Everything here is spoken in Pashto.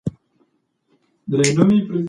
جین اسټن د ادب په نړۍ کې خپل نوم تلپاتې کړ.